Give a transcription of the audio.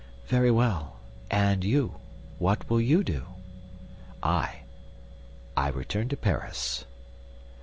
"Very well; and you—what will you do?" "I—I return to Paris."